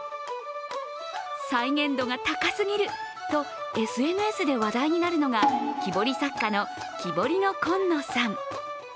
再現度が高すぎるとＳＮＳで話題になるのが木彫り作家のキボリノコンノさん。